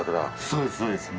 そうです